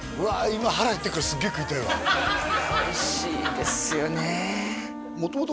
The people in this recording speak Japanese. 今腹減ってるからすげえ食いたいわおいしいんですよね